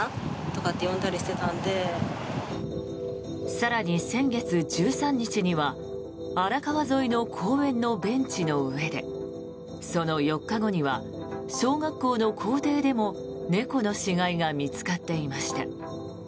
更に先月１３日には荒川沿いの公園のベンチの上でその４日後には小学校の校庭でも猫の死骸が見つかっていました。